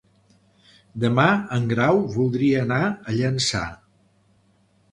Demà en Grau voldria anar a Llançà.